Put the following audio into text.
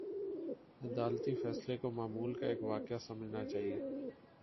عدالتی فیصلے کو معمول کا ایک واقعہ سمجھنا چاہیے۔